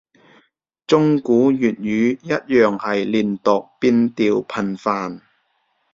中古粵語一樣係連讀變調頻繁